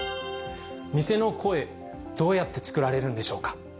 偽の声、どうやって作られるんでしょうか。